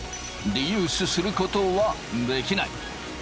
リユースすることはできない。